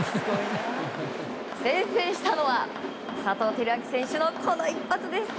先制したのは佐藤輝明選手のこの一発です。